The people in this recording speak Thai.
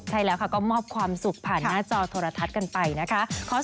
ใช่แล้วค่ะก็มอบความสุขผ่านหน้าจอโทรทัศน์กันไปนะคะ